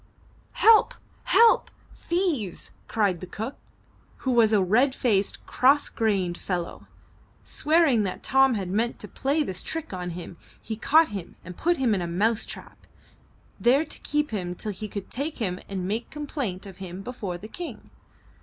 ''Help! help! thieves!" cried the cook who was a red faced, cross grained fellow. Swearing that Tom had meant to play this trick on him, he caught him and put him in a mouse trap, there to keep him till he could take him and make complaint of him before the King.